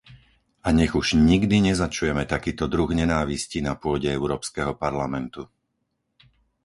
A nech už nikdy nezačujeme takýto druh nenávisti na pôde Európskeho parlamentu!